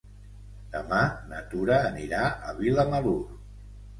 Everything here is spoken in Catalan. Demà na Tura anirà a Vilamalur.